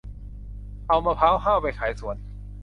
เอามะพร้าวห้าวไปขายสวน